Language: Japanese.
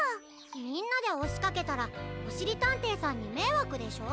みんなでおしかけたらおしりたんていさんにめいわくでしょ。